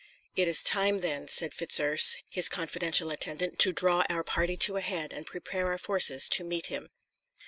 "It is time, then," said Fitzurse, his confidential attendant, "to draw our party to a head, and prepare our forces to meet him."